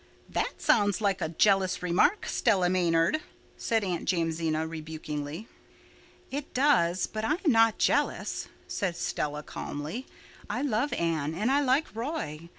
"That sounds very like a jealous remark, Stella Maynard," said Aunt Jamesina rebukingly. "It does—but I am not jealous," said Stella calmly. "I love Anne and I like Roy.